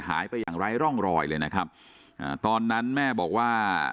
หายไปอย่างไร้ร่องรอยเลยนะครับอ่าตอนนั้นแม่บอกว่า